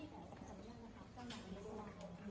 ตอนนี้๕๐๕๐เลยคิดว่าจะตอนนี้เจ้าหน่ายอยู่สามประเทศ